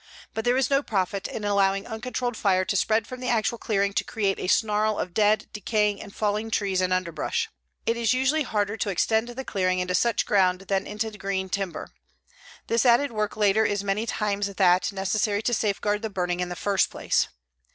But there is no profit in allowing uncontrolled fire to spread from the actual clearing to create a snarl of dead, decaying and falling trees and underbrush. It is usually harder to extend the clearing into such ground than into green timber. This added work later is many times that necessary to safeguard the burning in the first place.